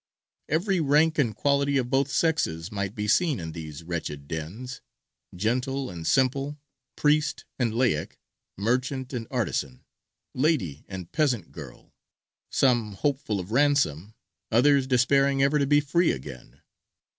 Every rank and quality of both sexes might be seen in these wretched dens, gentle and simple, priest and laic, merchant and artisan, lady and peasant girl, some hopeful of ransom, others despairing ever to be free again.